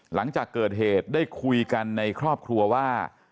หลังจากเกิดเหตุได้คุยกันในครอบครัวว่า